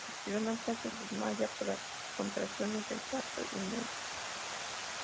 Johanna se desmaya por las contracciones del parto y muere.